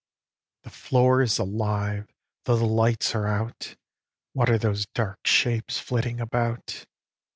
The floor is alive, though the lights are out; What are those dark shapes, flitting about?